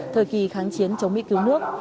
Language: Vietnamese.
thời kỳ kháng chiến chống mỹ cứu nước